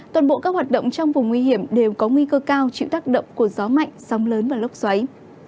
toàn bộ các hoạt động trong vùng nguy hiểm đều có nguy cơ cao chịu tác động của gió mạnh sóng lớn và lốc xoáy